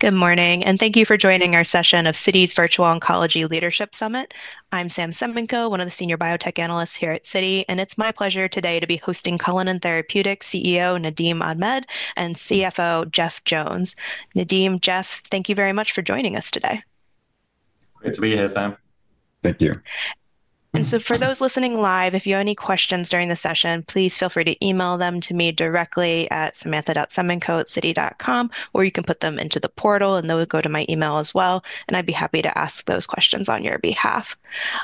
Good morning, and thank you for joining our session of Citi's Virtual Oncology Leadership Summit. I'm Samantha Semenkow, one of the senior biotech analysts here at Citi, and it's my pleasure today to be hosting Cullinan Therapeutics CEO, Nadim Ahmed, and CMO, Jeff Jones. Nadim, Jeff, thank you very much for joining us today. Great to be here, Sam. Thank you. For those listening live, if you have any questions during the session, please feel free to email them to me directly at samantha.semenkow@citi.com, or you can put them into the portal, and they will go to my email as well, and I'd be happy to ask those questions on your behalf.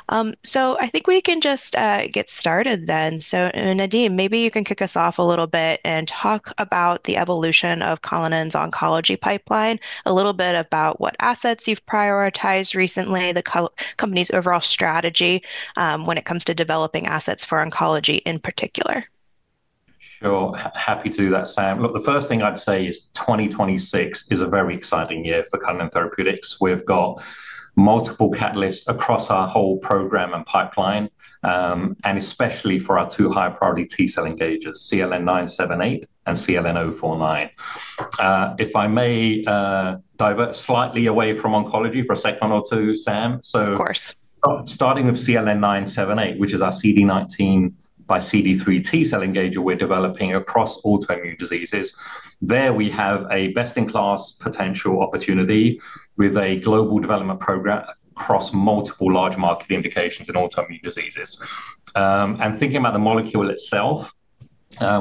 I think we can just get started then. Nadim, maybe you can kick us off a little bit and talk about the evolution of Cullinan's oncology pipeline, a little bit about what assets you've prioritized recently, the company's overall strategy, when it comes to developing assets for oncology in particular. Sure. Happy to do that, Sam. Look, the first thing I'd say is 2026 is a very exciting year for Cullinan Therapeutics. We've got multiple catalysts across our whole program and pipeline, and especially for our two high-priority T-cell engagers, CLN-978 and CLN-049. If I may, divert slightly away from oncology for a second or two, Sam, so- Of course. Starting with CLN-978, which is our CD19 by CD3 T-cell engager we're developing across autoimmune diseases. There we have a best-in-class potential opportunity with a global development program across multiple large market indications in autoimmune diseases. And thinking about the molecule itself,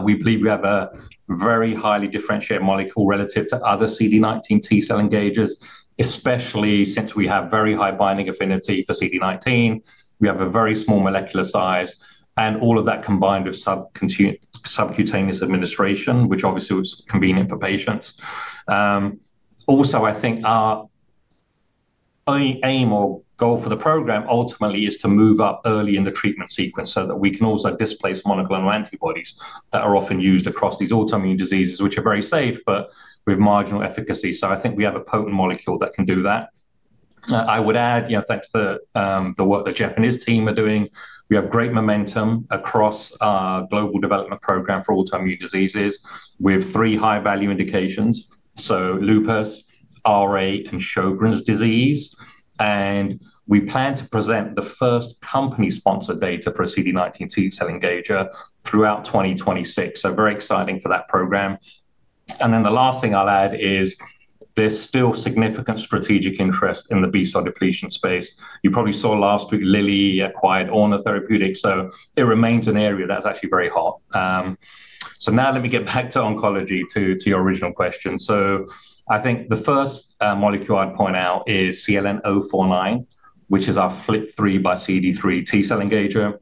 we believe we have a very highly differentiated molecule relative to other CD19 T-cell engagers, especially since we have very high binding affinity for CD19. We have a very small molecular size, and all of that combined with subcutaneous administration, which obviously is convenient for patients. Also, I think our only aim or goal for the program ultimately is to move up early in the treatment sequence so that we can also displace monoclonal antibodies that are often used across these autoimmune diseases, which are very safe, but with marginal efficacy. So I think we have a potent molecule that can do that. I would add, you know, thanks to the work that Jeff and his team are doing, we have great momentum across our global development program for autoimmune diseases. We have three high-value indications, so lupus, RA, and Sjögren's disease, and we plan to present the first company-sponsored data for a CD19 T-cell engager throughout 2026, so very exciting for that program. And then the last thing I'll add is there's still significant strategic interest in the B-cell depletion space. You probably saw last week, Lilly acquired Orna Therapeutics, so it remains an area that's actually very hot. So now let me get back to oncology, to your original question. So I think the first molecule I'd point out is CLN-049, which is our FLT3 x CD3 T-cell engager,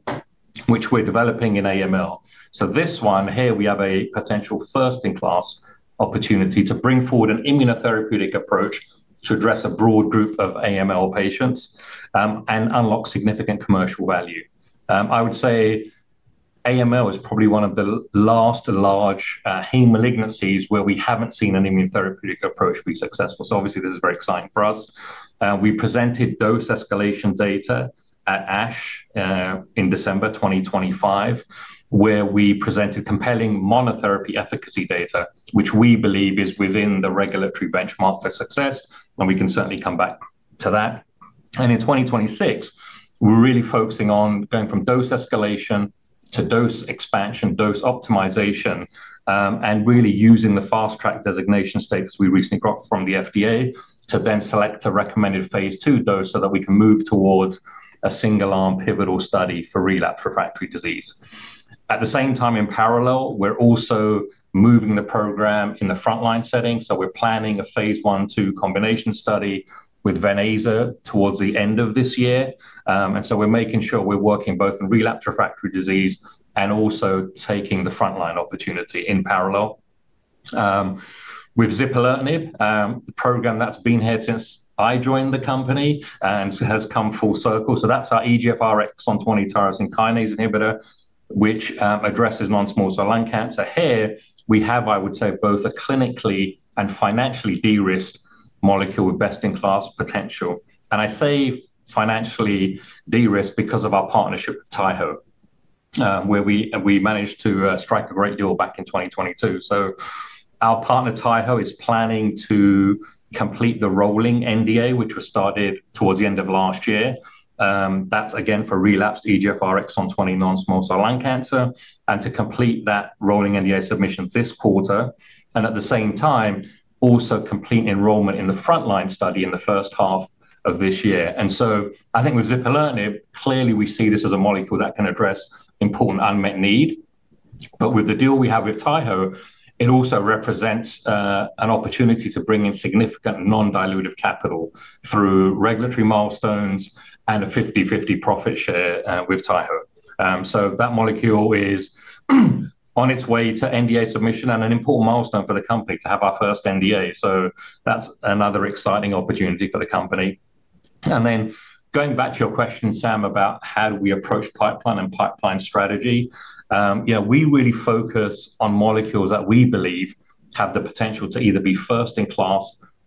which we're developing in AML. So this one, here we have a potential first-in-class opportunity to bring forward an immunotherapeutic approach to address a broad group of AML patients, and unlock significant commercial value. I would say AML is probably one of the last large, heme malignancies where we haven't seen an immunotherapeutic approach be successful, so obviously, this is very exciting for us. We presented dose escalation data at ASH, in December 2025, where we presented compelling monotherapy efficacy data, which we believe is within the regulatory benchmark for success, and we can certainly come back to that. In 2026, we're really focusing on going from dose escalation to dose expansion, dose optimization, and really using the Fast Track designation status we recently got from the FDA to then select a recommended phase II dose so that we can move towards a single-arm pivotal study for relapsed refractory disease. At the same time, in parallel, we're also moving the program in the frontline setting, so we're planning a phase I/II combination study with venetoclax towards the end of this year. And so we're making sure we're working both in relapsed refractory disease and also taking the frontline opportunity in parallel. With zipalertinib, the program that's been here since I joined the company and has come full circle. So that's our EGFR exon 20 tyrosine kinase inhibitor, which addresses non-small cell lung cancer. Here we have, I would say, both a clinically and financially de-risked molecule with best-in-class potential. And I say financially de-risked because of our partnership with Taiho, where we, we managed to, strike a great deal back in 2022. So our partner, Taiho, is planning to complete the rolling NDA, which was started towards the end of last year. That's again for relapsed EGFR exon 20 non-small cell lung cancer, and to complete that rolling NDA submission this quarter, and at the same time, also complete enrollment in the frontline study in the first half of this year. And so I think with zipalertinib, clearly we see this as a molecule that can address important unmet need. But with the deal we have with Taiho, it also represents an opportunity to bring in significant non-dilutive capital through regulatory milestones and a 50/50 profit share with Taiho. So that molecule is on its way to NDA submission and an important milestone for the company to have our first NDA. So that's another exciting opportunity for the company. And then going back to your question, Sam, about how do we approach pipeline and pipeline strategy, you know, we really focus on molecules that we believe have the potential to either be first-in-class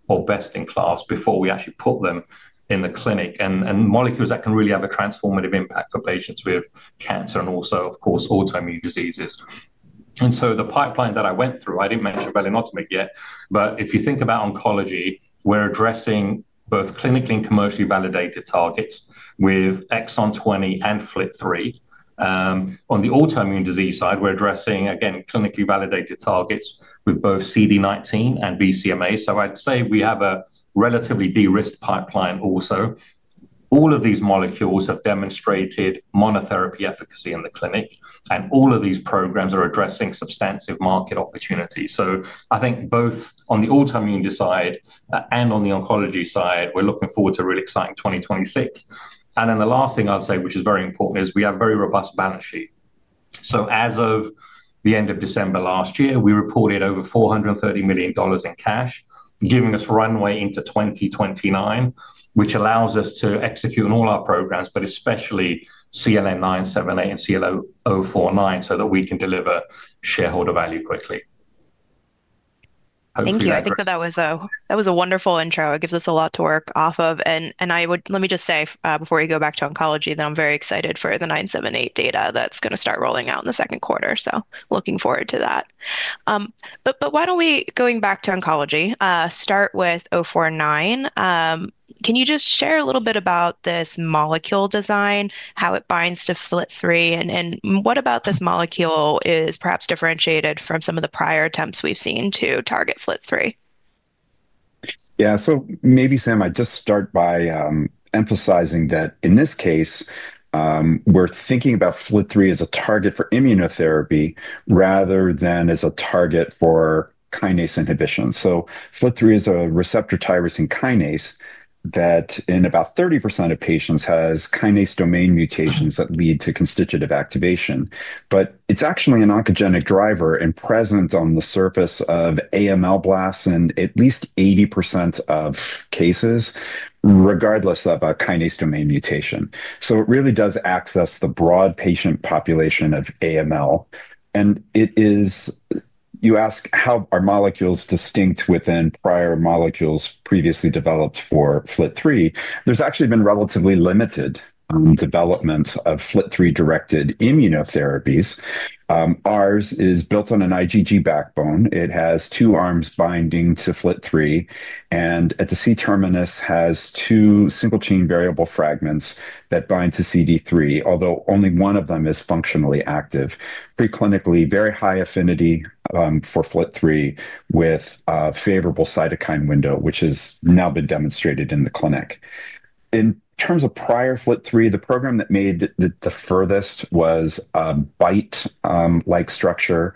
or best-in-class before we actually put them in the clinic, and, and molecules that can really have a transformative impact for patients with cancer and also, of course, autoimmune diseases. And so the pipeline that I went through, I didn't mention velenomatum yet, but if you think about oncology, we're addressing both clinically and commercially validated targets with exon 20 and FLT3. On the autoimmune disease side, we're addressing, again, clinically validated targets with both CD19 and BCMA. So I'd say we have a relatively de-risked pipeline also. All of these molecules have demonstrated monotherapy efficacy in the clinic, and all of these programs are addressing substantive market opportunities. So I think both on the autoimmune side, and on the oncology side, we're looking forward to a really exciting 2026. And then the last thing I'd say, which is very important, is we have a very robust balance sheet. As of the end of December last year, we reported over $430 million in cash, giving us runway into 2029, which allows us to execute on all our programs, but especially CLN-978 and CLN-049, so that we can deliver shareholder value quickly. Thank you. I think that that was a wonderful intro. It gives us a lot to work off of. And I would—let me just say, before you go back to oncology, that I'm very excited for the CLN-978 data that's gonna start rolling out in the second quarter, so looking forward to that. But why don't we, going back to oncology, start with CLN-049? Can you just share a little bit about this molecule design, how it binds to FLT3, and what about this molecule is perhaps differentiated from some of the prior attempts we've seen to target FLT3? Yeah. So maybe, Sam, I'd just start by emphasizing that in this case, we're thinking about FLT3 as a target for immunotherapy rather than as a target for kinase inhibition. So FLT3 is a receptor tyrosine kinase that in about 30% of patients has kinase domain mutations that lead to constitutive activation. But it's actually an oncogenic driver and present on the surface of AML blasts in at least 80% of cases, regardless of a kinase domain mutation. So it really does access the broad patient population of AML, and it is... You ask, how are molecules distinct within prior molecules previously developed for FLT3? There's actually been relatively limited development of FLT3-directed immunotherapies. Ours is built on an IgG backbone. It has two arms binding to FLT3, and at the C-terminus, has two single-chain variable fragments that bind to CD3, although only one of them is functionally active. Preclinically, very high affinity for FLT3, with a favorable cytokine window, which has now been demonstrated in the clinic. In terms of prior FLT3, the program that made the furthest was a BiTE-like structure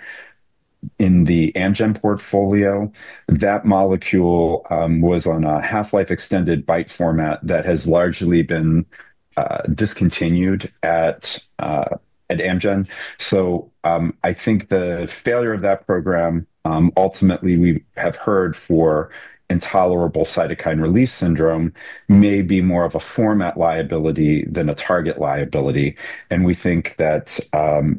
in the Amgen portfolio. That molecule was on a half-life extended BiTE format that has largely been discontinued at Amgen. So I think the failure of that program ultimately, we have heard for intolerable cytokine release syndrome, may be more of a format liability than a target liability. And we think that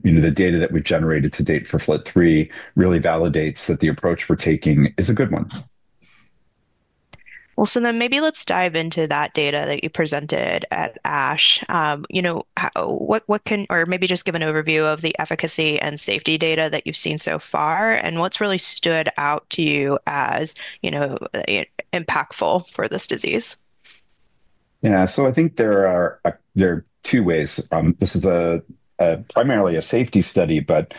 you know, the data that we've generated to date for FLT3 really validates that the approach we're taking is a good one. Well, so then maybe let's dive into that data that you presented at ASH. You know, or maybe just give an overview of the efficacy and safety data that you've seen so far, and what's really stood out to you as, you know, impactful for this disease? Yeah. So I think there are, there are two ways. This is primarily a safety study, but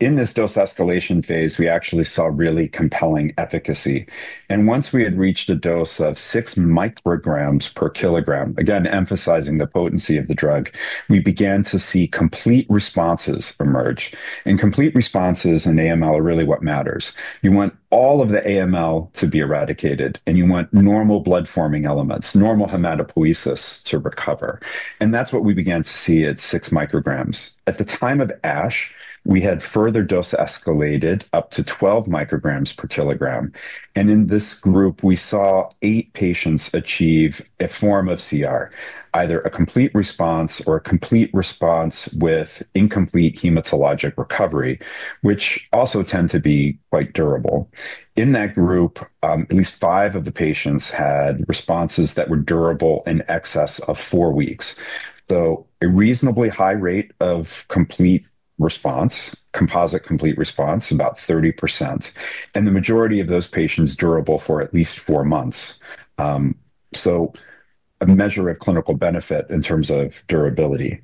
in this dose escalation phase, we actually saw really compelling efficacy. And once we had reached a dose of 6 micrograms per kilogram, again, emphasizing the potency of the drug, we began to see complete responses emerge, and complete responses in AML are really what matters. You want all of the AML to be eradicated, and you want normal blood-forming elements, normal hematopoiesis, to recover, and that's what we began to see at 6 micrograms. At the time of ASH, we had further dose escalated up to 12 micrograms per kilogram, and in this group, we saw 8 patients achieve a form of CR, either a complete response or a complete response with incomplete hematologic recovery, which also tend to be quite durable. In that group, at least 5 of the patients had responses that were durable in excess of 4 weeks. So a reasonably high rate of complete response, composite complete response, about 30%, and the majority of those patients durable for at least 4 months. So a measure of clinical benefit in terms of durability.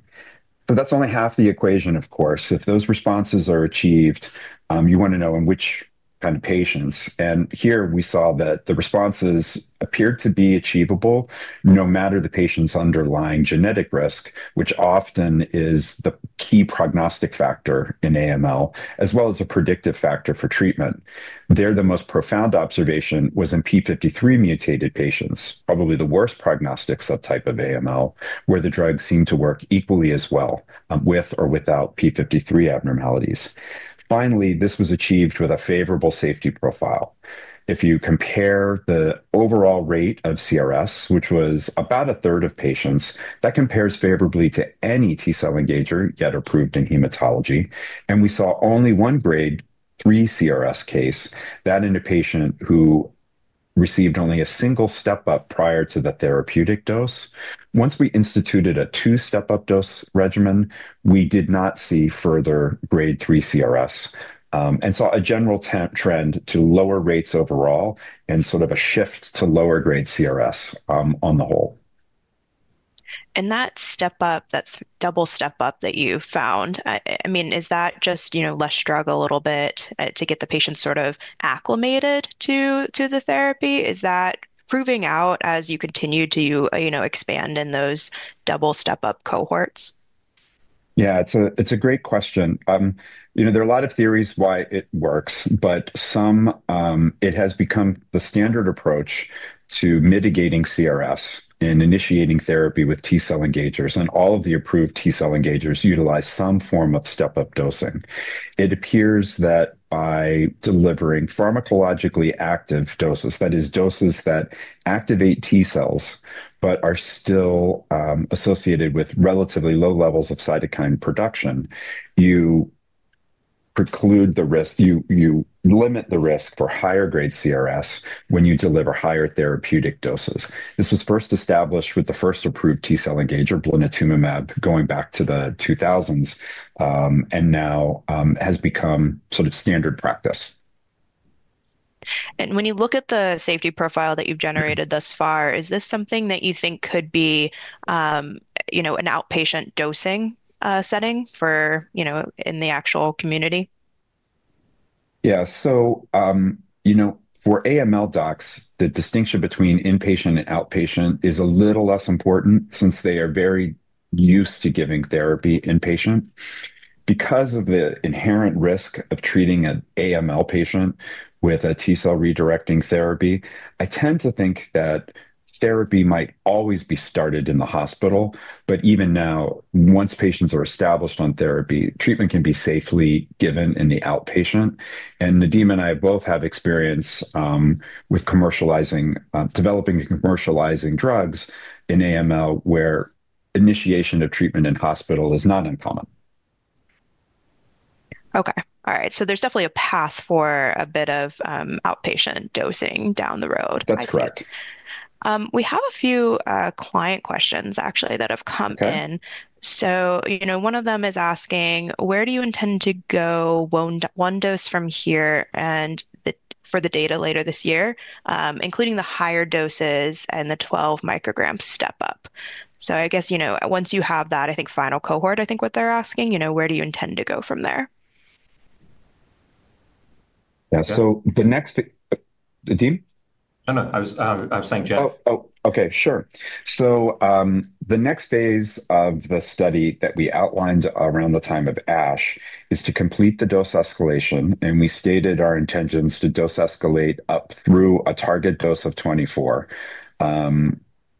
But that's only half the equation, of course. If those responses are achieved, you want to know in which kind of patients, and here we saw that the responses appeared to be achievable, no matter the patient's underlying genetic risk, which often is the key prognostic factor in AML, as well as a predictive factor for treatment. There, the most profound observation was in TP53 mutated patients, probably the worst prognostic subtype of AML, where the drug seemed to work equally as well, with or without TP53 abnormalities. Finally, this was achieved with a favorable safety profile. If you compare the overall rate of CRS, which was about a third of patients, that compares favorably to any T-cell engager yet approved in hematology. And we saw only 1 grade 3 CRS case, that in a patient who received only a single step-up prior to the therapeutic dose. Once we instituted a 2-step-up dose regimen, we did not see further grade 3 CRS, and saw a general trend to lower rates overall and sort of a shift to lower grade CRS, on the whole. That step-up, that double step-up that you found, I mean, is that just, you know, less drug a little bit, to get the patient sort of acclimated to the therapy? Is that proving out as you continue to, you know, expand in those double step-up cohorts? Yeah, it's a, it's a great question. You know, there are a lot of theories why it works, it has become the standard approach to mitigating CRS and initiating therapy with T cell engagers, and all of the approved T cell engagers utilize some form of step-up dosing. It appears that by delivering pharmacologically active doses, that is, doses that activate T cells but are still associated with relatively low levels of cytokine production, you preclude the risk. You limit the risk for higher grade CRS when you deliver higher therapeutic doses. This was first established with the first approved T cell engager, blinatumomab, going back to the 2000s, and now has become sort of standard practice. When you look at the safety profile that you've generated thus far, is this something that you think could be, you know, an outpatient dosing setting for, you know, in the actual community? Yeah. So, you know, for AML docs, the distinction between inpatient and outpatient is a little less important since they are very used to giving therapy inpatient. Because of the inherent risk of treating an AML patient with a T cell redirecting therapy, I tend to think that therapy might always be started in the hospital. But even now, once patients are established on therapy, treatment can be safely given in the outpatient. And Nadim and I both have experience with commercializing, developing and commercializing drugs in AML, where initiation of treatment in hospital is not uncommon. Okay. All right. There's definitely a path for a bit of outpatient dosing down the road, I think. That's correct. We have a few client questions actually that have come in. Okay. So, you know, one of them is asking: Where do you intend to go one dose from here, and for the data later this year, including the higher doses and the 12 micrograms step-up? So I guess, you know, once you have that, I think, final cohort, I think what they're asking, you know, where do you intend to go from there? Yeah. So Nadim? No, no, I was, I was saying, Jeff. Oh, oh, okay. Sure. So, the next phase of the study that we outlined around the time of ASH is to complete the dose escalation, and we stated our intentions to dose escalate up through a target dose of 24.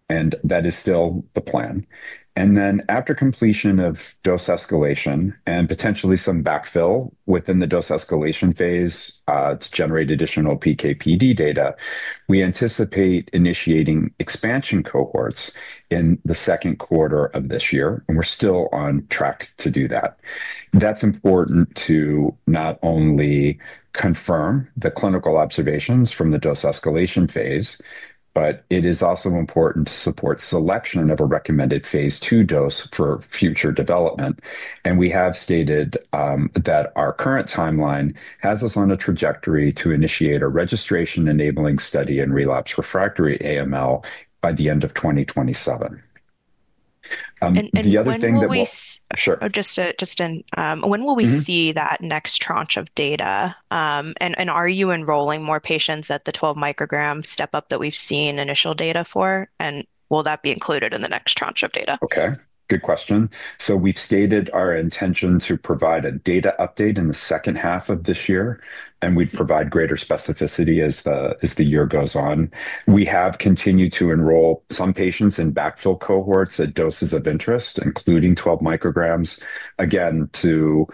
And that is still the plan. And then, after completion of dose escalation and potentially some backfill within the dose escalation phase, to generate additional PK/PD data, we anticipate initiating expansion cohorts in the second quarter of this year, and we're still on track to do that. That's important to not only confirm the clinical observations from the dose escalation phase, but it is also important to support selection of a recommended phase 2 dose for future development. And we have stated, that our current timeline has us on a trajectory to initiate a registration-enabling study in relapse refractory AML by the end of 2027. The other thing that we'll- When will we- Sure. Just an... When will we- Mm-hmm See that next tranche of data? And are you enrolling more patients at the 12 micrograms step-up that we've seen initial data for, and will that be included in the next tranche of data? Okay, good question. So we've stated our intention to provide a data update in the second half of this year, and we'd provide greater specificity as the year goes on. We have continued to enroll some patients in backfill cohorts at doses of interest, including 12 micrograms, again, to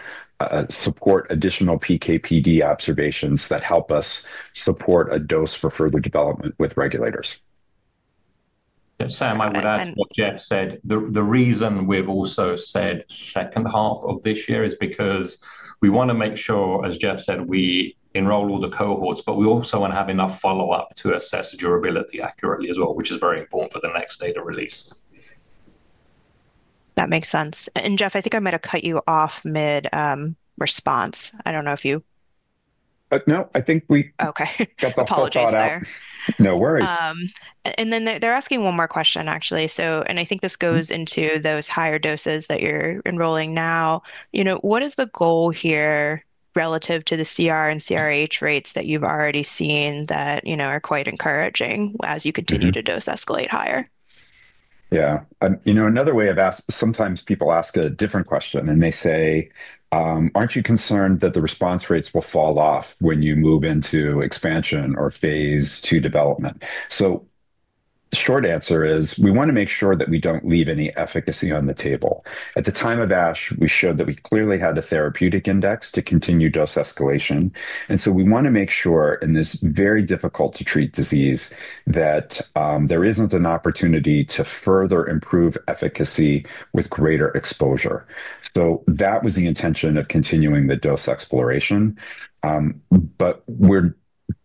support additional PK/PD observations that help us support a dose for further development with regulators. Yeah, Sam, I would add to what Jeff said, the reason we've also said second half of this year is because we wanna make sure, as Jeff said, we enroll all the cohorts, but we also wanna have enough follow-up to assess durability accurately as well, which is very important for the next data release. That makes sense. And Jeff, I think I might have cut you off mid-response. I don't know if you- No, I think we- Okay. Apologies there.... got the thought out. No worries. And then they're asking one more question, actually. So, and I think this goes into those higher doses that you're enrolling now. You know, what is the goal here relative to the CR and CRh rates that you've already seen that, you know, are quite encouraging as you continue- Mm-hmm - to dose escalate higher? Yeah. You know, another way of asking—sometimes people ask a different question, and they say, aren't you concerned that the response rates will fall off when you move into expansion or phase 2 development? So the short answer is, we wanna make sure that we don't leave any efficacy on the table. At the time of ASH, we showed that we clearly had a therapeutic index to continue dose escalation, and so we wanna make sure, in this very difficult-to-treat disease, that there isn't an opportunity to further improve efficacy with greater exposure. So that was the intention of continuing the dose exploration. But we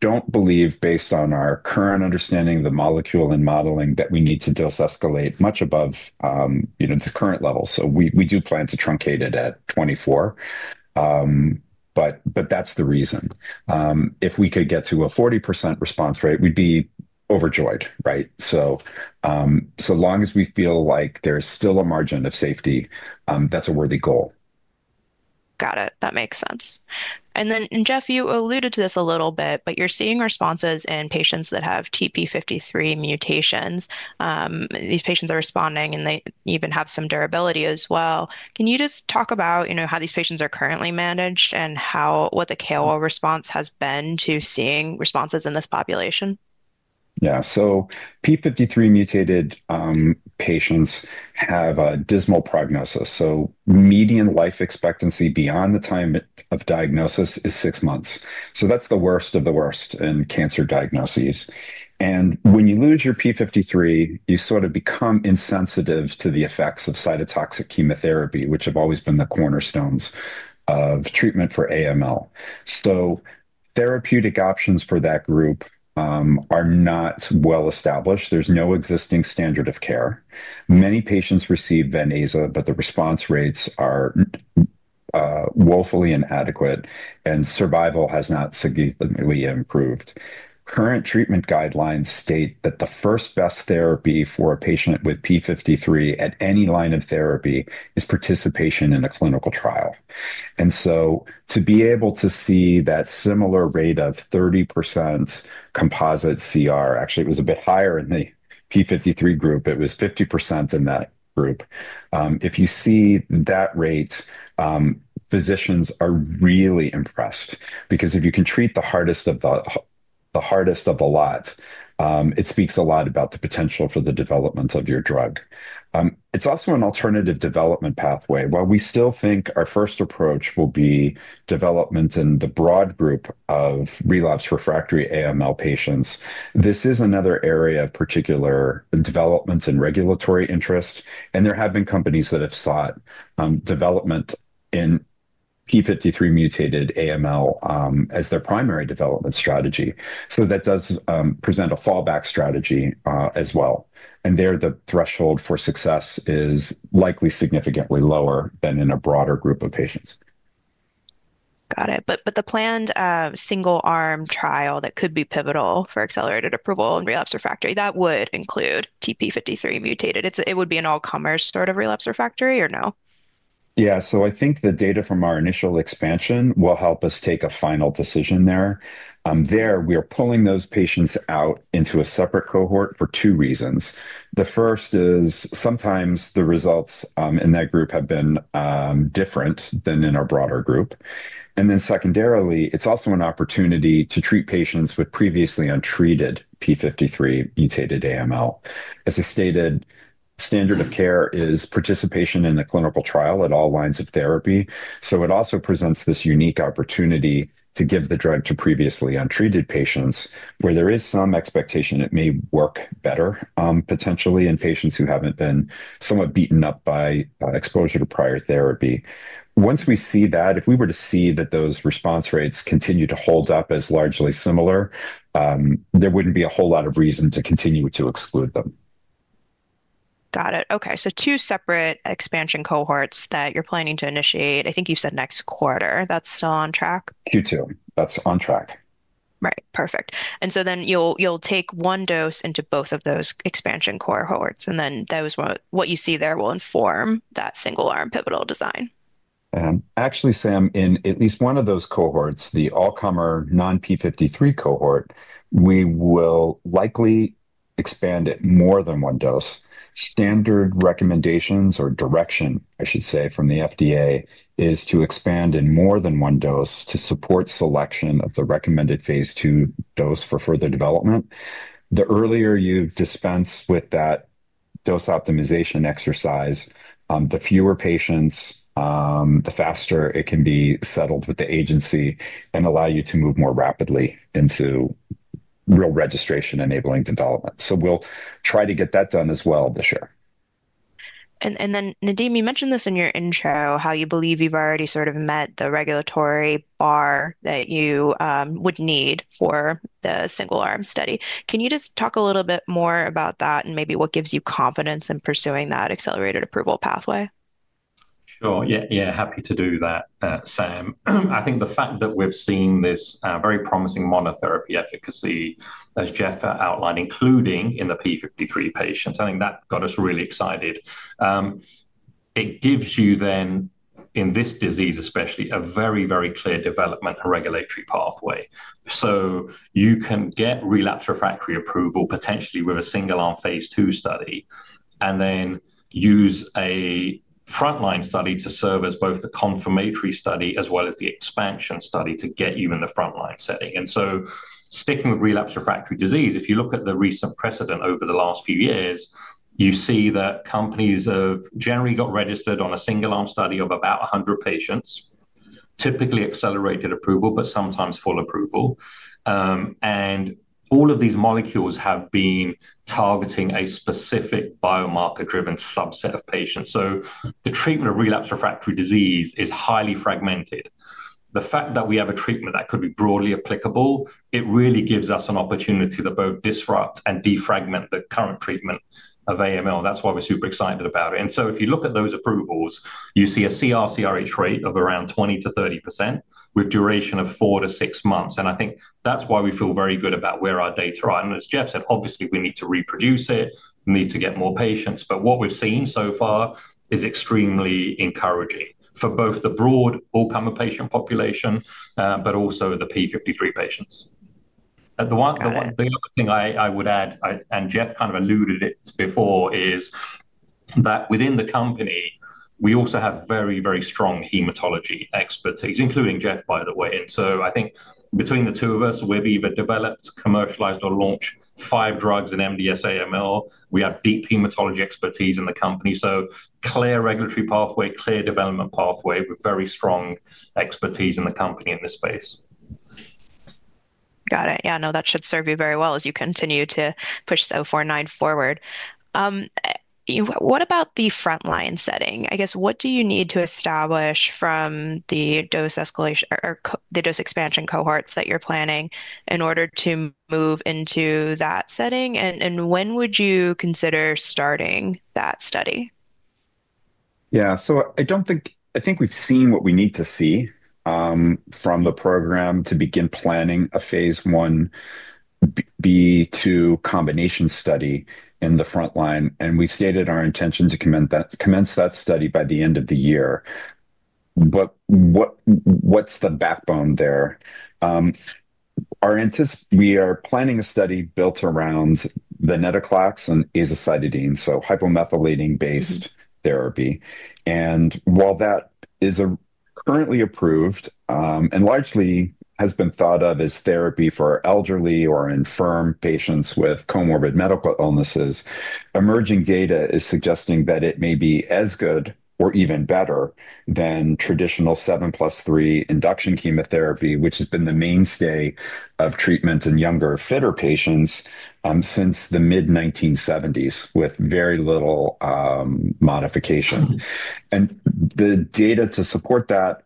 don't believe, based on our current understanding of the molecule and modeling, that we need to dose escalate much above, you know, the current level. So we do plan to truncate it at 24. But that's the reason. If we could get to a 40% response rate, we'd be overjoyed, right? So long as we feel like there's still a margin of safety, that's a worthy goal. Got it. That makes sense. And then, Jeff, you alluded to this a little bit, but you're seeing responses in patients that have TTP53 mutations. These patients are responding, and they even have some durability as well. Can you just talk about, you know, how these patients are currently managed and what the KO response has been to seeing responses in this population? Yeah. So TP53 mutated patients have a dismal prognosis, so median life expectancy beyond the time of diagnosis is six months. So that's the worst of the worst in cancer diagnoses. And when you lose your TP53, you sort of become insensitive to the effects of cytotoxic chemotherapy, which have always been the cornerstones of treatment for AML. So therapeutic options for that group are not well established. There's no existing standard of care. Many patients receive venetoclax, but the response rates are woefully inadequate, and survival has not significantly improved. Current treatment guidelines state that the first best therapy for a patient with TP53 at any line of therapy is participation in a clinical trial. And so to be able to see that similar rate of 30% composite CR. Actually, it was a bit higher in the TP53 group. It was 50% in that group. If you see that rate, physicians are really impressed because if you can treat the hardest of the lot, it speaks a lot about the potential for the development of your drug. It's also an alternative development pathway. While we still think our first approach will be development in the broad group of relapsed refractory AML patients, this is another area of particular developments and regulatory interest, and there have been companies that have sought development in TP53 mutated AML as their primary development strategy. So that does present a fallback strategy as well, and there, the threshold for success is likely significantly lower than in a broader group of patients. Got it. But, but the planned single-arm trial that could be pivotal for accelerated approval in relapse refractory, that would include TTP53 mutated. It would be an all-comers sort of relapse refractory or no? Yeah. So I think the data from our initial expansion will help us take a final decision there. There, we are pulling those patients out into a separate cohort for two reasons. The first is sometimes the results in that group have been different than in our broader group. And then secondarily, it's also an opportunity to treat patients with previously untreated TP53 mutated AML. As I stated, standard of care is participation in a clinical trial at all lines of therapy, so it also presents this unique opportunity to give the drug to previously untreated patients, where there is some expectation it may work better, potentially in patients who haven't been somewhat beaten up by exposure to prior therapy. Once we see that, if we were to see that those response rates continue to hold up as largely similar, there wouldn't be a whole lot of reason to continue to exclude them. Got it. Okay, so two separate expansion cohorts that you're planning to initiate, I think you said next quarter. That's still on track? Q2. That's on track. Right. Perfect. And so then you'll take one dose into both of those expansion cohorts, and then those will—what you see there will inform that single-arm pivotal design? Actually, Sam, in at least one of those cohorts, the all-comer non-TP53 cohort, we will likely expand it more than one dose. Standard recommendations or direction, I should say, from the FDA, is to expand in more than one dose to support selection of the recommended phase 2 dose for further development. The earlier you dispense with that dose optimization exercise, the fewer patients, the faster it can be settled with the agency and allow you to move more rapidly into real registration-enabling development. We'll try to get that done as well this year. And then, Nadim, you mentioned this in your intro, how you believe you've already sort of met the regulatory bar that you would need for the single-arm study. Can you just talk a little bit more about that and maybe what gives you confidence in pursuing that accelerated approval pathway? Sure. Yeah, yeah, happy to do that, Sam. I think the fact that we've seen this very promising monotherapy efficacy, as Jeff outlined, including in the TP53 patients, I think that got us really excited. It gives you then, in this disease especially, a very, very clear development and regulatory pathway. So you can get relapse refractory approval, potentially with a single-arm phase 2 study, and then use a frontline study to serve as both the confirmatory study as well as the expansion study to get you in the frontline setting. And so sticking with relapse refractory disease, if you look at the recent precedent over the last few years, you see that companies have generally got registered on a single-arm study of about 100 patients, typically accelerated approval, but sometimes full approval. And-... And all of these molecules have been targeting a specific biomarker-driven subset of patients. So the treatment of relapsed refractory disease is highly fragmented. The fact that we have a treatment that could be broadly applicable, it really gives us an opportunity to both disrupt and defragment the current treatment of AML, and that's why we're super excited about it. And so if you look at those approvals, you see a CR/CRh rate of around 20%-30%, with duration of 4-6 months. And I think that's why we feel very good about where our data are. And as Jeff said, obviously, we need to reproduce it, we need to get more patients, but what we've seen so far is extremely encouraging for both the broad all-comer patient population, but also the TP53 patients. The other thing I would add, and Jeff kind of alluded it before, is that within the company, we also have very, very strong hematology expertise, including Jeff, by the way. So I think between the two of us, we've either developed, commercialized, or launched five drugs in MDS AML. We have deep hematology expertise in the company. So clear regulatory pathway, clear development pathway, with very strong expertise in the company in this space. Got it. Yeah, no, that should serve you very well as you continue to push CLN-049 forward. What about the frontline setting? I guess, what do you need to establish from the dose escalation or the dose expansion cohorts that you're planning in order to move into that setting? And when would you consider starting that study? Yeah. So I think we've seen what we need to see from the program to begin planning a phase Ib to combination study in the frontline, and we've stated our intention to commence that study by the end of the year. But what's the backbone there? We are planning a study built around venetoclax and azacitidine, so hypomethylating-based therapy. And while that is currently approved and largely has been thought of as therapy for elderly or infirm patients with comorbid medical illnesses, emerging data is suggesting that it may be as good or even better than traditional 7+3 induction chemotherapy, which has been the mainstay of treatment in younger, fitter patients since the mid-1970s, with very little modification. Mm-hmm. The data to support that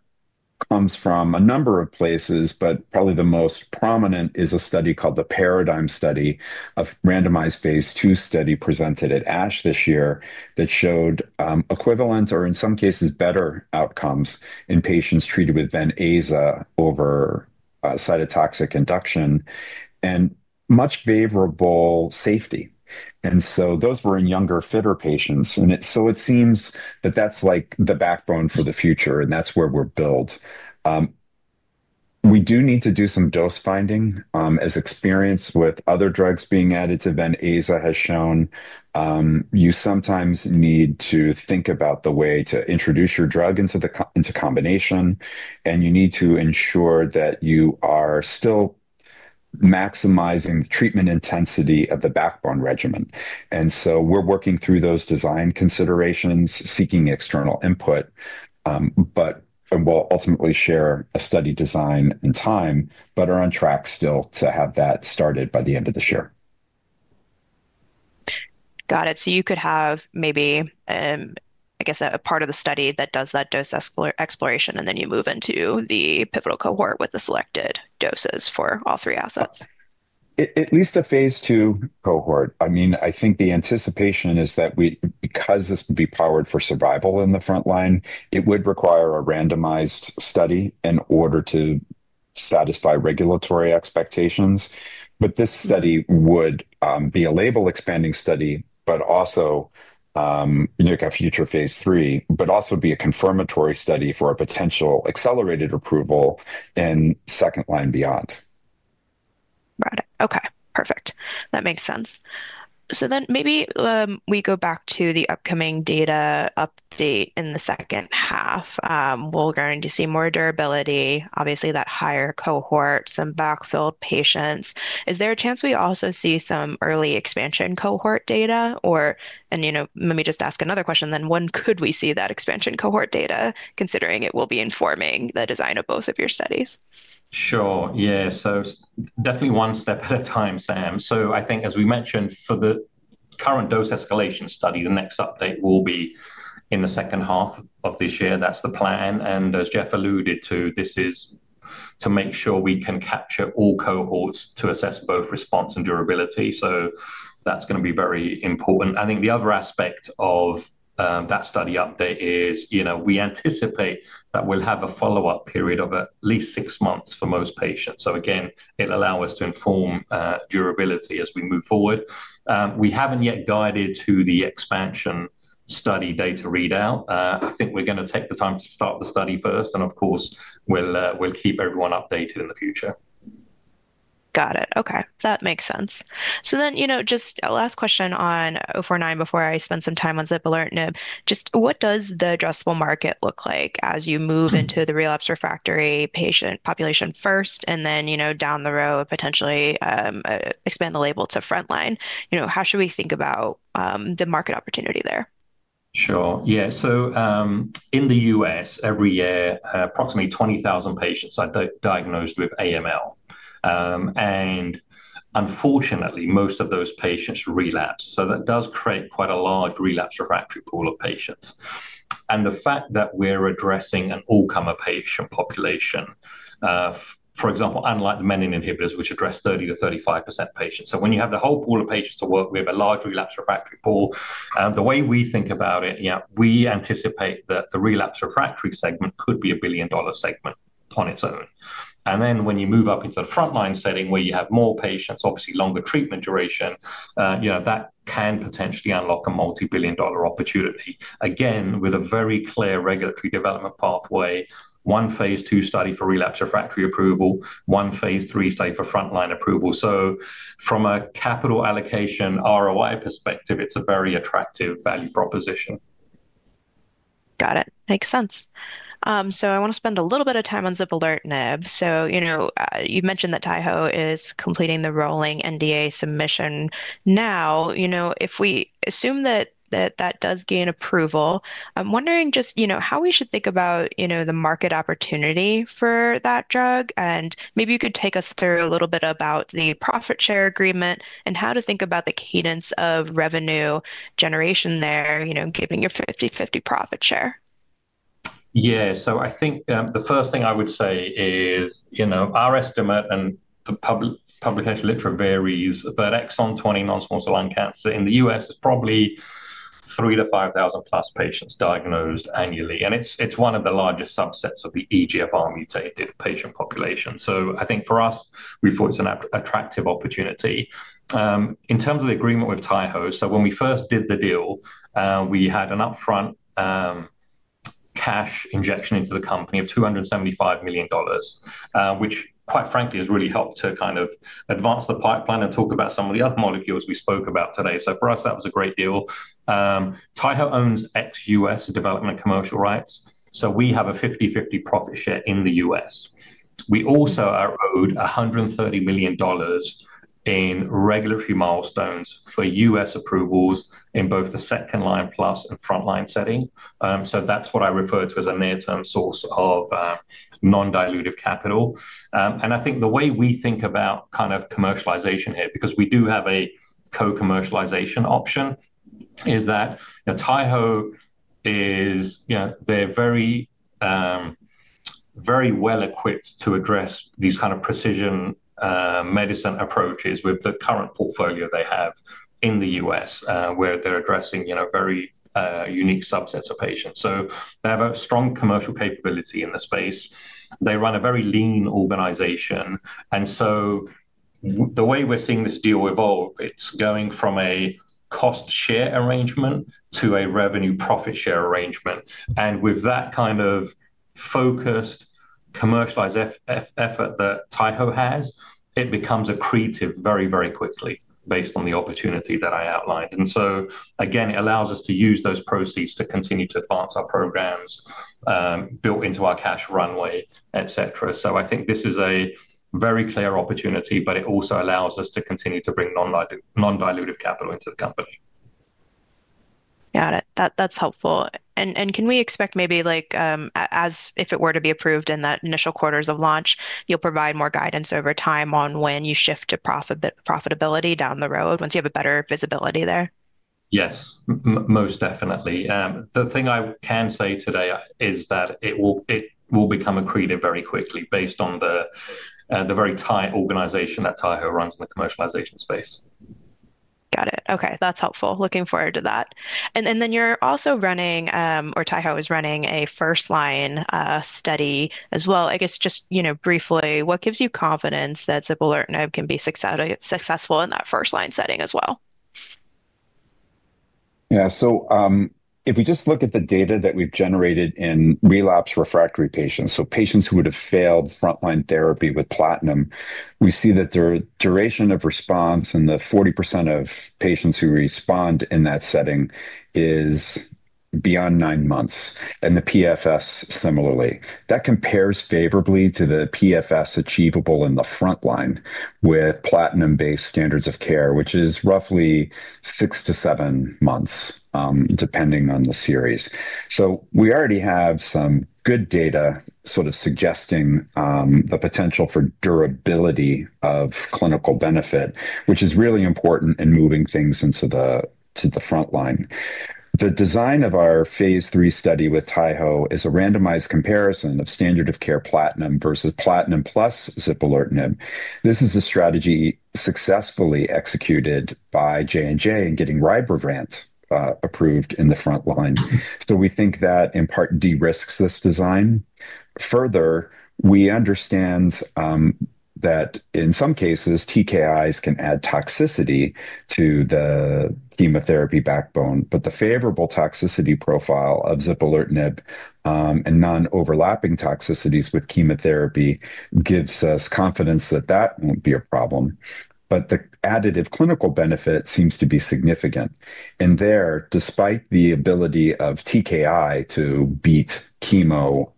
comes from a number of places, but probably the most prominent is a study called the Paradigm Study, a randomized phase II study presented at ASH this year, that showed equivalent, or in some cases, better outcomes in patients treated with VenAza over cytotoxic induction, and much favorable safety. So those were in younger, fitter patients, and so it seems that that's, like, the backbone for the future, and that's where we're built. We do need to do some dose finding, as experienced with other drugs being added to VenAza has shown, you sometimes need to think about the way to introduce your drug into combination, and you need to ensure that you are still maximizing the treatment intensity of the backbone regimen. And so we're working through those design considerations, seeking external input, and we'll ultimately share a study design and time, but are on track still to have that started by the end of this year. Got it. So you could have maybe, I guess, a part of the study that does that dose exploration, and then you move into the pivotal cohort with the selected doses for all three assets? At least a phase II cohort. I mean, I think the anticipation is that because this will be powered for survival in the frontline, it would require a randomized study in order to satisfy regulatory expectations. But this study would be a label-expanding study, but also, you know, a future phase III, but also be a confirmatory study for a potential accelerated approval in second line beyond. Got it. Okay, perfect. That makes sense. So then maybe we go back to the upcoming data update in the second half. We're going to see more durability, obviously, that higher cohort, some backfilled patients. Is there a chance we also see some early expansion cohort data or... And, you know, let me just ask another question then. When could we see that expansion cohort data, considering it will be informing the design of both of your studies? Sure. Yeah. So definitely one step at a time, Sam. So I think, as we mentioned, for the current dose escalation study, the next update will be in the second half of this year. That's the plan, and as Jeff alluded to, this is to make sure we can capture all cohorts to assess both response and durability, so that's going to be very important. I think the other aspect of, that study update is, you know, we anticipate that we'll have a follow-up period of at least six months for most patients. So again, it'll allow us to inform, durability as we move forward. We haven't yet guided to the expansion study data readout. I think we're going to take the time to start the study first, and of course, we'll keep everyone updated in the future. Got it. Okay, that makes sense. So then, you know, just a last question on CLN-049 before I spend some time on zipalertinib. Just what does the addressable market look like as you move- Mm-hmm - into the relapsed refractory patient population first, and then, you know, down the road, potentially, expand the label to frontline? You know, how should we think about, the market opportunity there?... Sure. Yeah, so, in the US, every year, approximately 20,000 patients are diagnosed with AML. And unfortunately, most of those patients relapse, so that does create quite a large relapse/refractory pool of patients. And the fact that we're addressing an all-comer patient population, for example, unlike the menin inhibitors, which address 30%-35% patients. So when you have the whole pool of patients to work with, a large relapse/refractory pool, the way we think about it, yeah, we anticipate that the relapse/refractory segment could be a billion-dollar segment on its own. And then when you move up into the frontline setting where you have more patients, obviously longer treatment duration, you know, that can potentially unlock a multi-billion dollar opportunity. Again, with a very clear regulatory development pathway, one Phase II study for relapse/refractory approval, one Phase III study for frontline approval. So from a capital allocation ROI perspective, it's a very attractive value proposition. Got it. Makes sense. So, I wanna spend a little bit of time on zipalertinib. So, you know, you mentioned that Taiho is completing the rolling NDA submission. Now, you know, if we assume that does gain approval, I'm wondering just, you know, how we should think about, you know, the market opportunity for that drug, and maybe you could take us through a little bit about the profit share agreement and how to think about the cadence of revenue generation there, you know, giving a 50/50 profit share. Yeah. So I think, the first thing I would say is, you know, our estimate and the publication literature varies, but exon 20 non-small cell lung cancer in the U.S. is probably 3,000-5,000+ patients diagnosed annually, and it's, it's one of the largest subsets of the EGFR mutated patient population. So I think for us, we thought it's an attractive opportunity. In terms of the agreement with Taiho, so when we first did the deal, we had an upfront, cash injection into the company of $275 million, which, quite frankly, has really helped to kind of advance the pipeline and talk about some of the other molecules we spoke about today. So for us, that was a great deal. Taiho owns ex-US development commercial rights, so we have a 50/50 profit share in the US. We also are owed $130 million in regulatory milestones for US approvals in both the second-line plus and frontline setting. So that's what I refer to as a near-term source of non-dilutive capital. And I think the way we think about kind of commercialization here, because we do have a co-commercialization option, is that Taiho is. You know, they're very very well equipped to address these kind of precision medicine approaches with the current portfolio they have in the US, where they're addressing, you know, very unique subsets of patients. So they have a strong commercial capability in the space. They run a very lean organization. The way we're seeing this deal evolve, it's going from a cost share arrangement to a revenue profit share arrangement. With that kind of focused commercialization effort that Taiho has, it becomes accretive very, very quickly based on the opportunity that I outlined. So again, it allows us to use those proceeds to continue to advance our programs, built into our cash runway, et cetera. So I think this is a very clear opportunity, but it also allows us to continue to bring non-dilutive capital into the company. Got it. That's helpful. And can we expect maybe like, as if it were to be approved in that initial quarters of launch, you'll provide more guidance over time on when you shift to profitability down the road, once you have a better visibility there? Yes, most definitely. The thing I can say today is that it will become accretive very quickly based on the very tight organization that Taiho runs in the commercialization space. Got it. Okay, that's helpful. Looking forward to that. And then you're also running, or Taiho is running a first-line study as well. I guess just, you know, briefly, what gives you confidence that zipalertinib can be successful in that first-line setting as well? Yeah. So, if we just look at the data that we've generated in relapse/refractory patients, so patients who would have failed frontline therapy with platinum, we see that their duration of response in the 40% of patients who respond in that setting is beyond 9 months, and the PFS similarly. That compares favorably to the PFS achievable in the frontline with platinum-based standards of care, which is roughly 6-7 months, depending on the series. So we already have some good data sort of suggesting the potential for durability of clinical benefit, which is really important in moving things into the, to the frontline. The design of our phase III study with Taiho is a randomized comparison of standard of care platinum versus platinum plus zipalertinib. This is a strategy successfully executed by J&J in getting Rybrevant approved in the frontline. So we think that in part, de-risks this design. Further, we understand that in some cases, TKIs can add toxicity to the chemotherapy backbone, but the favorable toxicity profile of zipalertinib and non-overlapping toxicities with chemotherapy gives us confidence that that won't be a problem. But the additive clinical benefit seems to be significant. And there, despite the ability of TKI to beat chemo,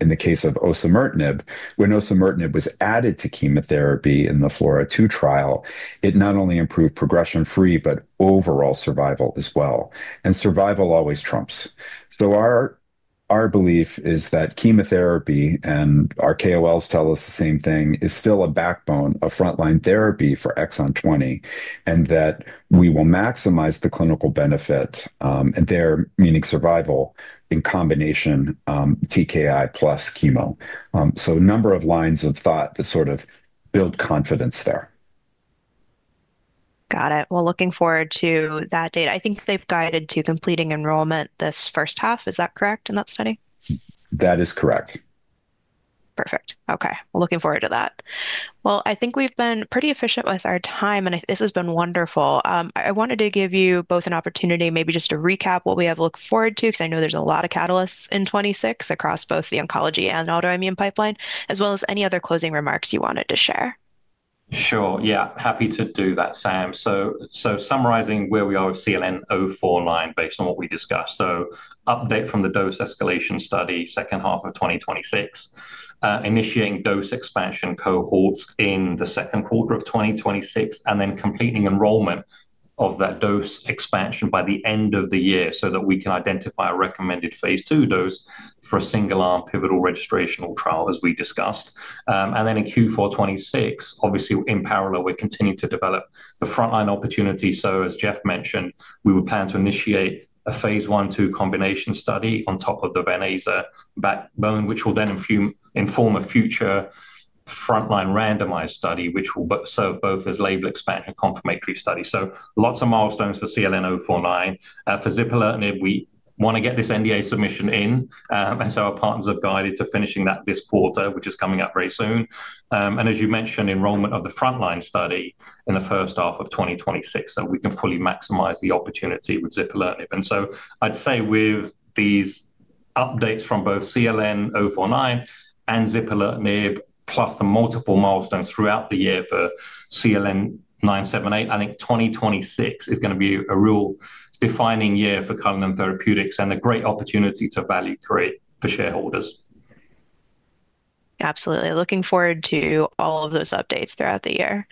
in the case of osimertinib, when osimertinib was added to chemotherapy in the FLAURA II trial, it not only improved progression-free, but overall survival as well, and survival always trumps. So our belief is that chemotherapy, and our KOLs tell us the same thing, is still a backbone of frontline therapy for exon 20, and that we will maximize the clinical benefit, and there, meaning survival, in combination, TKI plus chemo. A number of lines of thought that sort of build confidence there. Got it. Well, looking forward to that data. I think they've guided to completing enrollment this first half. Is that correct in that study? That is correct. Perfect. Okay. Well, looking forward to that. Well, I think we've been pretty efficient with our time, and this has been wonderful. I wanted to give you both an opportunity maybe just to recap what we have to look forward to, 'cause I know there's a lot of catalysts in 2026 across both the oncology and autoimmune pipeline, as well as any other closing remarks you wanted to share. Sure. Yeah, happy to do that, Sam. So, so summarizing where we are with CLN-049, based on what we discussed. So update from the dose escalation study, second half of 2026. Initiating dose expansion cohorts in the second quarter of 2026, and then completing enrollment of that dose expansion by the end of the year, so that we can identify a recommended phase II dose for a single-arm pivotal registrational trial, as we discussed. And then in Q4 2026, obviously, in parallel, we're continuing to develop the frontline opportunity. So as Jeff mentioned, we will plan to initiate a phase I/II combination study on top of the venetoclax backbone, which will then inform a future frontline randomized study, which will serve both as label expansion and confirmatory study. So lots of milestones for CLN-049. For zipalertinib, we want to get this NDA submission in, and so our partners have guided to finishing that this quarter, which is coming up very soon. And as you mentioned, enrollment of the frontline study in the first half of 2026, so we can fully maximize the opportunity with zipalertinib. And so I'd say with these updates from both CLN-049 and zipalertinib, plus the multiple milestones throughout the year for CLN-978, I think 2026 is going to be a real defining year for Cullinan Therapeutics and a great opportunity to value create for shareholders. Absolutely. Looking forward to all of those updates throughout the year.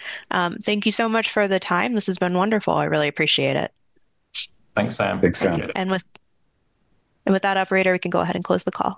Thank you so much for the time. This has been wonderful. I really appreciate it. Thanks, Sam. Thanks, Sam. With that, operator, we can go ahead and close the call.